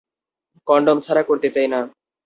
Condom ছাড়া করতে চাই না।